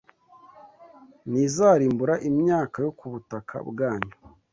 ntizarimbura imyaka yo ku butaka bwanyu